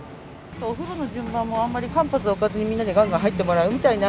お風呂の順番も、あんまり間髪置かずに、みんなでがんがん入ってもらうみたいな。